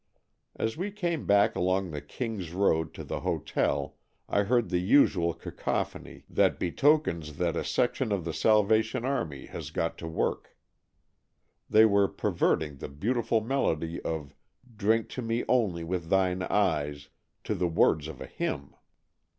As we came back along the King's Road to the hotel, I heard the usual cacophony that be AN EXCHANGE OF SOULS 221 tokens that a section of the Salvation Army has got to work. They were perverting the beautiful melody of " Drink to me only with thine eyes '' to the words of a hymn.